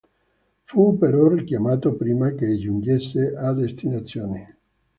Fu però richiamato prima che giungesse a destinazione.